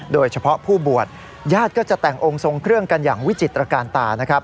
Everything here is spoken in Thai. โดยเฉพาะผู้บวชญาติก็จะแต่งองค์ทรงเครื่องกันอย่างวิจิตรการตานะครับ